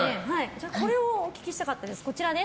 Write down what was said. これをお聞きしたかったです。